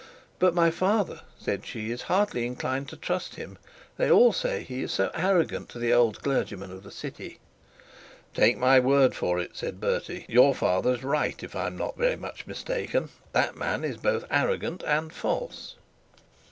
'But my father,' said she, 'is hardly inclined to trust him; they all say he is so arrogant to the old clergyman of the city.' 'Take my word for it,' said Bertie, 'your father is right. If I am not very much mistaken, that man is both arrogant and false.'